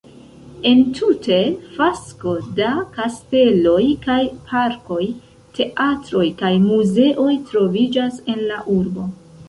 Entute fasko da kasteloj kaj parkoj, teatroj kaj muzeoj troviĝas en la urbo.